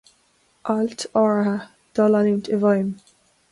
Ailt áirithe do leanúint i bhfeidhm.